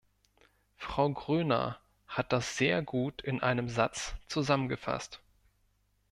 Frau Gröner hat das sehr gut in einem Satz zusammengefasst.